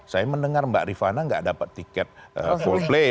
saya mendengar mbak rifana nggak dapat tiket full play